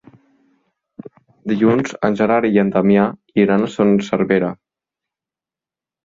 Dilluns en Gerard i en Damià iran a Son Servera.